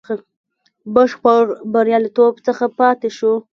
بشپړ بریالیتوب څخه پاته شو.